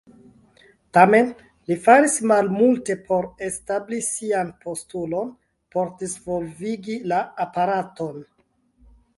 Tamen, li faris malmulte por establi sian postulon por disvolvigi la aparaton.